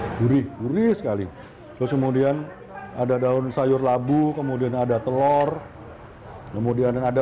hai gurih gurih sekali terus kemudian ada daun sayur labu kemudian ada telur kemudian ada